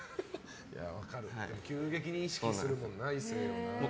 分かる、急激に意識するもんな異性は。